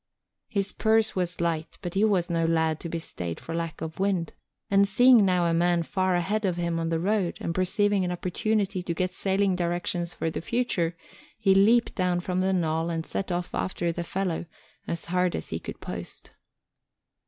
His purse was light but he was no lad to be stayed for lack of wind, and seeing now a man far ahead of him on the road, and perceiving an opportunity to get sailing directions for the future, he leaped down from the knoll and set off after the fellow as hard as he could post.